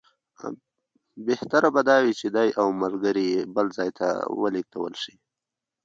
بهتره به دا وي چې دی او ملګري یې بل ځای ته ولېږل شي.